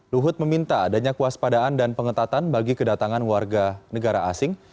luhut meminta adanya kuas padaan dan pengetatan bagi kedatangan warga negara asing